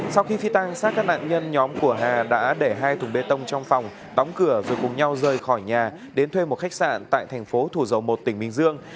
sau khi phi tang sát các nạn nhân nhóm của hà đã để hai thùng bê tông trong phòng đóng cửa rồi cùng nhau rời khỏi nhà đến thuê một khách sạn tại thành phố thủ dầu một tỉnh bình dương